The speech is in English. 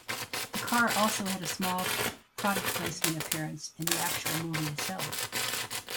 The car also had a small product placement appearance in the actual movie itself.